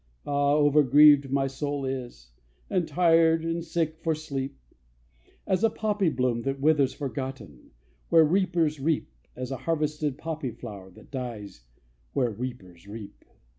Ah! over grieved my soul is, And tired and sick for sleep, As a poppy bloom that withers, Forgotten, where reapers reap; As a harvested poppy flower That dies where reapers reap.